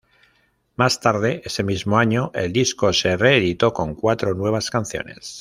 Más tarde, ese mismo año, el disco se reeditó con cuatro nuevas canciones.